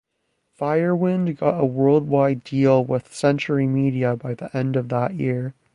Firewind got a worldwide deal with Century Media by the end of that year.